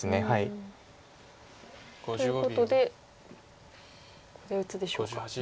ということでここで打つでしょうか。